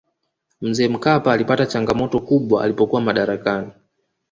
mzee mkapa alipata changamoto kubwa alipokuwa madarakani